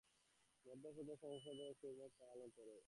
মধ্যচ্ছদা প্রশ্বাস গ্রহণে গুরুত্বপূর্ণ ভূমিকা পালন করে।